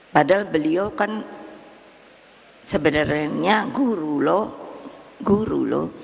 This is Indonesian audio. padahal beliau kan sebenarnya guru loh